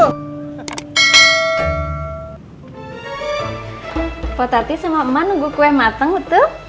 kok tati sama emak nunggu kue mateng betul